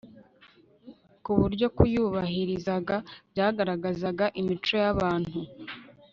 ku buryo kuyubahirizaga byagaragazaga imico yabantu